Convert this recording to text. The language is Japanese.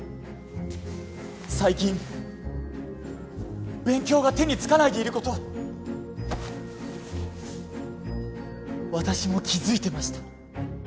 最近勉強が手につかないでいること私も気づいてました